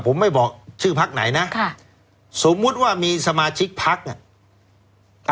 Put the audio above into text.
ผมไม่บอกชื่อพักไหนนะค่ะสมมุติว่ามีสมาชิกพักเนี่ย